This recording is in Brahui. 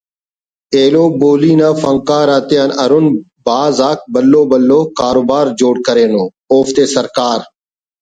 ایلو بولی نا فنکار آتے ہرن بھاز آک بھلو بھلو کاروبار جوڑ کرینو اوفتے سرکار